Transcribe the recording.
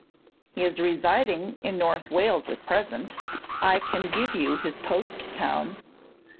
"He is residing in North Wales at present. I can give you his post town."